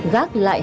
gác lại hạnh phúc